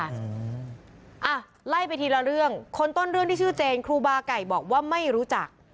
อ่ะไล่ไปทีละเรื่องคนต้นเรื่องที่ชื่อเจนครูบาไก่บอกว่าไม่รู้จัก